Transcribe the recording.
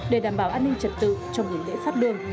để đảm bảo an ninh trật tự trong nghỉ lễ phát lương